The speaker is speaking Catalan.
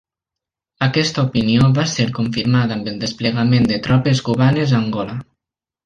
Aquesta opinió va ser confirmada amb el desplegament de tropes cubanes a Angola.